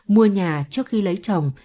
mua nhà trước khi lấy chồng